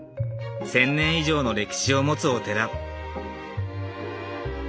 １，０００年以上の歴史を持つお寺。